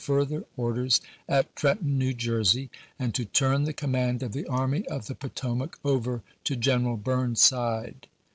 further orders at Trenton, New Jersey, and to turn the command of the Army of the Potomac over to voi. *xix., Part II General Burnside.